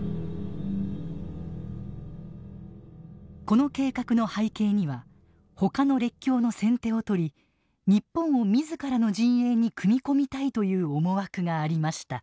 この計画の背景にはほかの列強の先手を取り日本を自らの陣営に組み込みたいという思惑がありました。